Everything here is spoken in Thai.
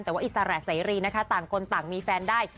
แต่ว่าอิสระเสรีนะคะต่างคนต่างมีแฟนได้